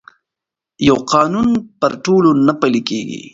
یو قانون پر ټولو نه پلي کېږي.